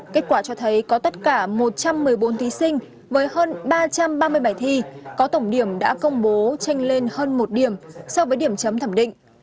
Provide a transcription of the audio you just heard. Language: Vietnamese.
kết quả cho thấy có tất cả một trăm một mươi bốn thí sinh với hơn ba trăm ba mươi bài thi có tổng điểm đã công bố tranh lên hơn một điểm so với điểm chấm thẩm định